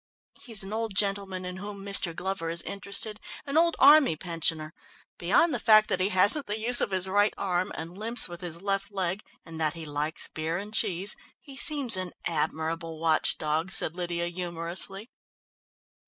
"He's an old gentleman in whom Mr. Glover is interested, an old army pensioner. Beyond the fact that he hasn't the use of his right arm, and limps with his left leg, and that he likes beer and cheese, he seems an admirable watch dog," said Lydia humorously.